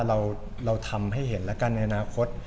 เราทำให้เห็นแล้วกันในอนาคต